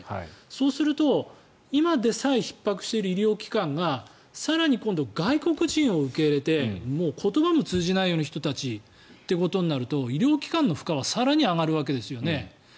そうすると、今でさえひっ迫している医療機関が更に今度は外国人を受け入れてもう言葉も通じないような人たちとなると医療機関の負荷は更に上がるわけですよね。